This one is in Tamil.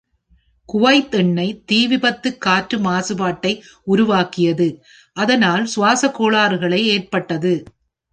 குவைத் எண்ணெய் தீவிபத்து காற்று மாசுபாட்டை உருவாக்கியது அதனால் சுவாசக் கோளாறுகளை ஏற்பட்டது.